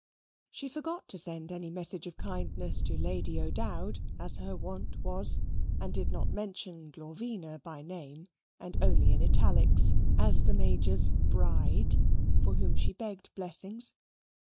She forgot to send any message of kindness to Lady O'Dowd, as her wont was and did not mention Glorvina by name, and only in italics, as the Major's BRIDE, for whom she begged blessings.